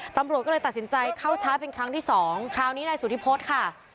ตำรวจก็เลยตัดสินใจเข้าช้าเป็นครั้งที่สองคราวนี้นายสุธิพฤษค่ะ